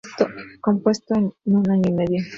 Compuesto en un año y medio.